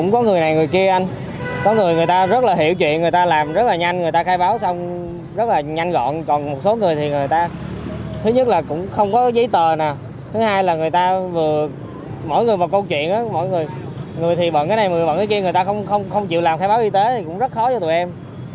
còn cái này người bận cái kia người ta không chịu làm khai báo y tế thì cũng rất khó cho tụi em